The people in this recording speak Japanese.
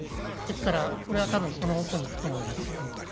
ですからそれはその方向にいくと思います。